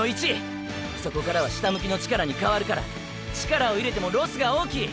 そこからは下向きの力に変わるから力を入れてもロスが大きい！！